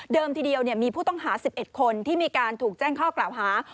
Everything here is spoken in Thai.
ทีเดียวมีผู้ต้องหา๑๑คนที่มีการถูกแจ้งข้อกล่าวหา